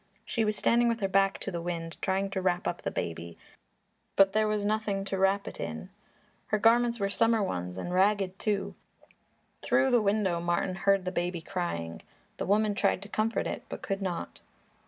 She was standing with her back to the wind, trying to wrap up the baby, but there was nothing to wrap it in. Her garments were summer ones and ragged, too. Through the window Martin heard the baby crying; the woman tried to comfort it but could not.